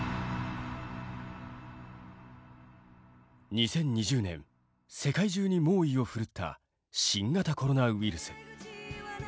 ２０２０年世界中に猛威をふるった新型コロナウイルス。